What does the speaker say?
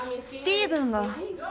スティーブンが。